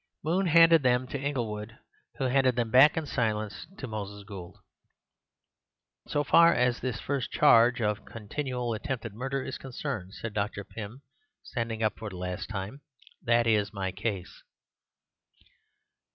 Moon handed them to Inglewood, who handed them back in silence to Moses Gould. "So far as this first charge of continual attempted murder is concerned," said Dr. Pym, standing up for the last time, "that is my case."